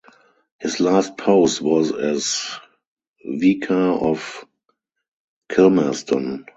His last post was as Vicar of Kilmersdon.